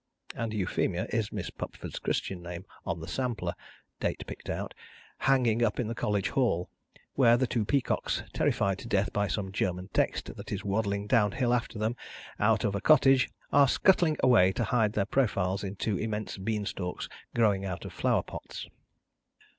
And Euphemia is Miss Pupford's christian name on the sampler (date picked out) hanging up in the College hall, where the two peacocks, terrified to death by some German text that is waddling down hill after them out of a cottage, are scuttling away to hide their profiles in two immense bean stalks growing out of flower pots.